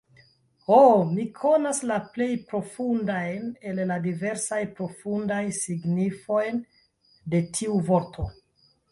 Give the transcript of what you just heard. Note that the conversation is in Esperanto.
Ho, mi konas la plej profundajn el la diversaj profundaj signifojn de tiu vorto!